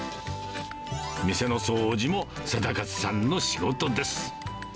店の掃除も定勝さんの仕事です。